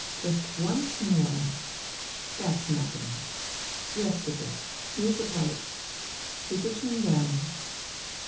Just once more ... that's nothing.... Rest a bit: knees apart.... Keep your chin down...."